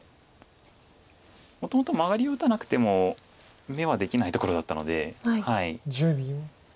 もともとマガリを打たなくても眼はできないところだったので。